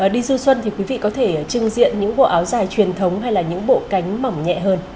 đi du xuân thì quý vị có thể trưng diện những bộ áo dài truyền thống hay là những bộ cánh mỏng nhẹ hơn